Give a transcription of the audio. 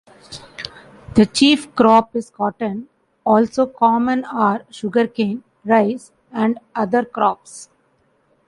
The chief crop is cotton; also common are sugarcane, rice, and other crops.